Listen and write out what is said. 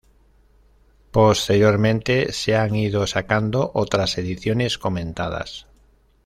Posteriormente se han ido sacando otras ediciones comentadas.